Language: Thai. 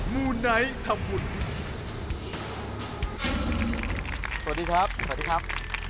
สวัสดีครับสวัสดีครับ